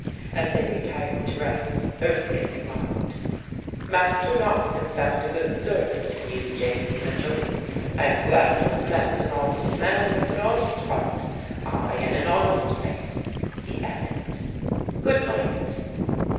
As they retired to rest, Erskyne remarked; "Master Knox has found a good servant in you, James Mitchell. I am glad to have met an honest man with an honest heart, ay and an honest face," he added. "Good night."